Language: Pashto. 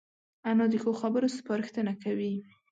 انا د ښو خبرو سپارښتنه کوي